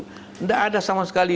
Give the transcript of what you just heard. tidak ada sama sekali